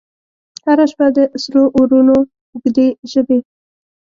هره شپه د سرو اورونو، اوږدي ژبې،